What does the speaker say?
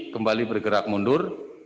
kembali bergerak mundur